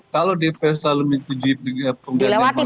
kalau dpr selalu menyetujui penggalian panglima tni